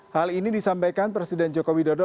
hal ini disampaikan presiden jokowi dodo